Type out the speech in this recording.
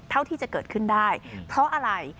เท่าที่จะเกิดขึ้นได้เพราะอะไร